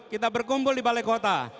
kita berkumpul di balai kota